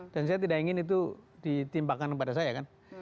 dan saya tidak ingin itu ditimpakan kepada saya kan